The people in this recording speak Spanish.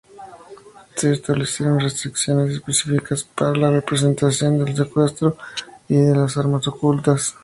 Se establecieron restricciones específicas para la representación del secuestro y de las armas ocultas.